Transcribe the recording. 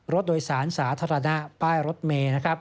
รถโดยสารสาธารณะป้ายรถเมล์